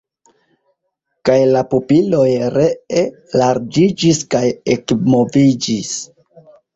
Kaj la pupiloj ree larĝiĝis kaj ekmoviĝis.